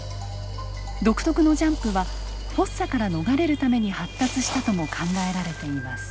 独特のジャンプはフォッサから逃れるために発達したとも考えられています。